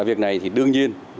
việc này đương nhiên